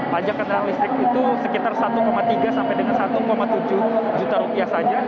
pajak kendaraan listrik itu sekitar satu tiga sampai dengan satu tujuh juta rupiah saja